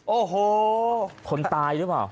โอ้โหคนตายหรือเปล่า